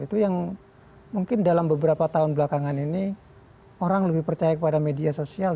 itu yang mungkin dalam beberapa tahun belakangan ini orang lebih percaya kepada media sosial